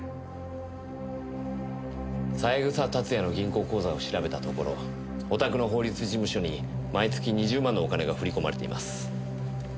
三枝達也の銀行口座を調べたところお宅の法律事務所に毎月２０万のお金が振り込まれています。